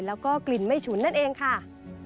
แล้วก็กลิ่นไม่ฉุนนั่นเองค่ะ